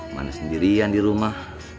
mana sendirian di rumah